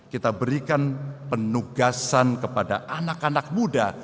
kita berikan penugasan kepada anak anak muda